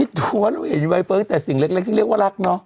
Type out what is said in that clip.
ตัวเราเห็นใบเฟิร์แต่สิ่งเล็กที่เรียกว่ารักเนาะ